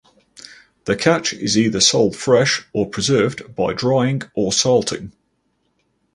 The catch is either sold fresh or preserved by drying or salting.